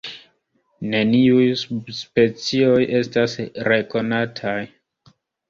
Neniuj subspecioj estas rekonataj.